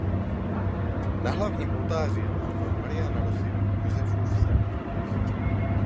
Na hlavním oltáři je malba Mariana Rossiho "Josefův sen".